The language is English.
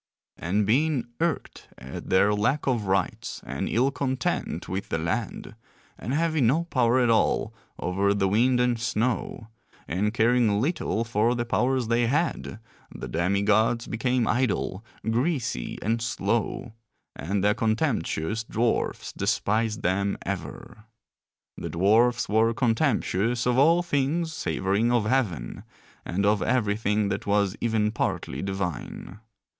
And being irked at their lack of rights and ill content with the land, and having no power at all over the wind and snow, and caring little for the powers they had, the demi gods became idle, greasy, and slow; and the contemptuous dwarfs despised them ever. The dwarfs were contemptuous of all things savouring of heaven, and of everything that was even partly divine.